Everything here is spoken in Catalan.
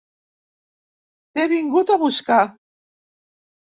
T'he vingut a buscar.